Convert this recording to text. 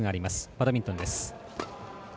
バドミントンです。